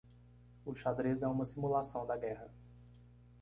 O xadrez é uma simulação da guerra.